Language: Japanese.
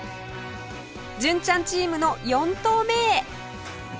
純ちゃんチームの４投目へ